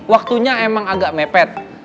waktunya emang agak mepet